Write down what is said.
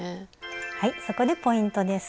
はいそこでポイントです。